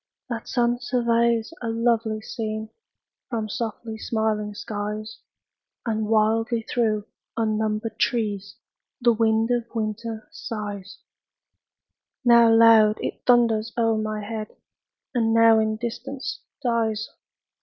That sun surveys a lovely scene From softly smiling skies; And wildly through unnumbered trees The wind of winter sighs: Now loud, it thunders o'er my head, And now in distance dies.